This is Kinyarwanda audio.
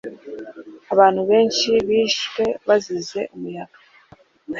Abantu benshi bishwe bazize umuyaga.